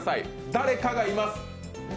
誰かがいます。